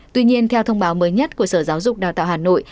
tuy nhiên theo thông báo mới nhất của sở giáo dục đào tạo hà nội